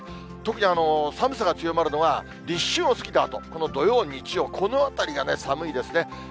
特に寒さが強まるのは、立春を過ぎたあと、この土曜、日曜、このあたりがね、寒いですね。